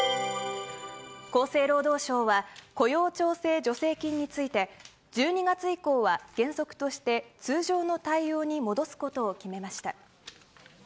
厚生労働省は雇用調整助成金について、１２月以降は原則として通常の対応に戻すことを決めました。